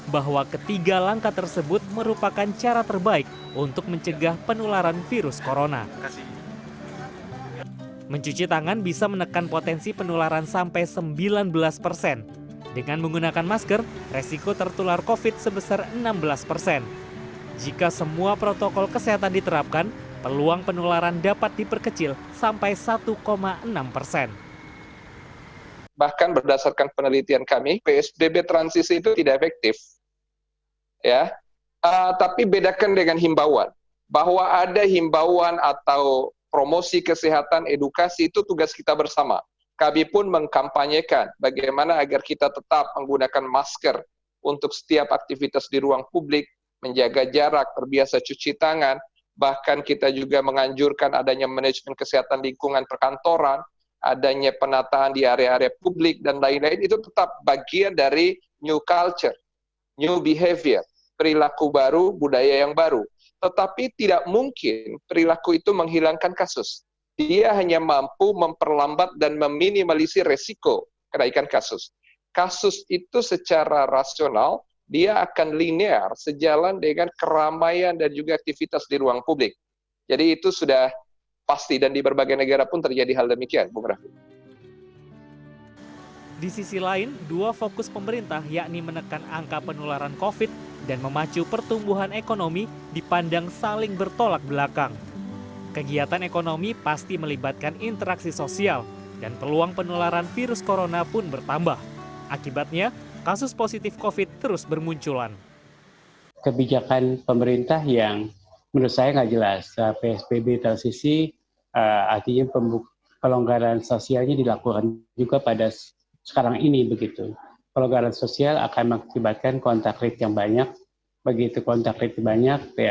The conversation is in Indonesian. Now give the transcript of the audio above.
bahkan kontak rib yang banyak begitu kontak rib banyak penyakit ini akan gampang menyusahkan